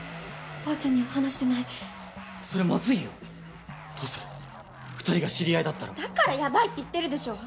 おばあちゃんには話してないそれまずいよどうする⁉２人が知り合いだったらだからやばいって言ってるでしょ！